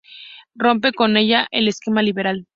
Rompe con ella el esquema liberal.